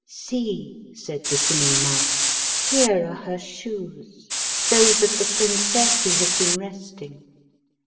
"See," said the Singing Mouse, "here are her shoes, those of the princess who has been resting.